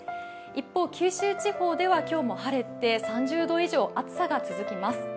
一方、九州地方では今日も晴れて３０度以上、暑さが続きます。